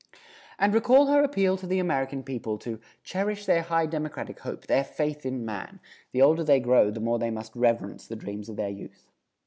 And recall her appeal to the American people to "cherish their high democratic hope, their faith in man. The older they grow the more they must reverence the dreams of their youth."